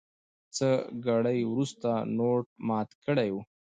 څه ګړی وروسته نوټ مات کړی و.